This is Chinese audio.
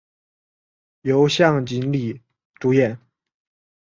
由向井理主演。